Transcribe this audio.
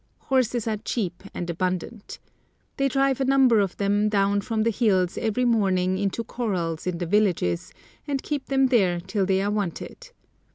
Horses are cheap and abundant. They drive a number of them down from the hills every morning into corrals in the villages, and keep them there till they are wanted.